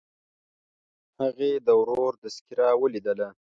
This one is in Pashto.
هغې د ورور تذکره ولیدله.